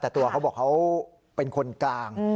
แต่ตัวเขาบอกเขาเป็นคนกลาง